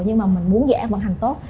nhưng mà mình muốn dự án vận hành tốt